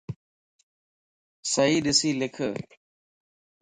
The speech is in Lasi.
صحيح ڏسي لک